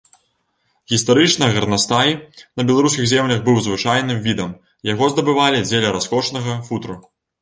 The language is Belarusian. Гістарычна гарнастай на беларускіх землях быў звычайным відам, яго здабывалі дзеля раскошнага футра.